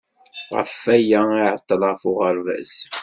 Ɣef waya i iɛeṭṭel ɣef uɣerbaz.